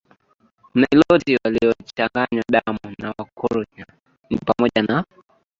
Wanailoti waliochanganya damu na Wakurya ni pamoja na